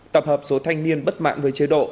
tập hợp số thanh niên bất mãn với chế độ